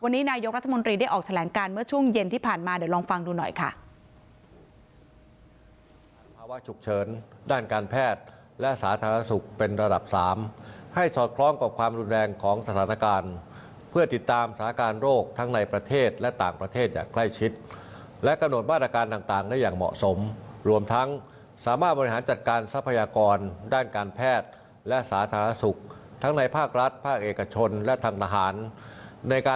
วันนี้นายกรัฐมนตรีได้ออกแถลงการเมื่อช่วงเย็นที่ผ่านมาเดี๋ยวลองฟังดูหน่อยค่ะ